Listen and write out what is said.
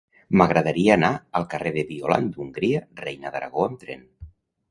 M'agradaria anar al carrer de Violant d'Hongria Reina d'Aragó amb tren.